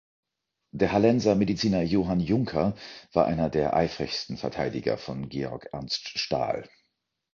Der Hallenser Mediziner Johann Juncker war einer der eifrigsten Verteidiger von Georg Ernst Stahl.